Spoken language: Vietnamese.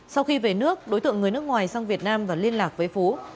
sau khi về nước đối tượng người nước ngoài sang việt nam và liên lạc với phú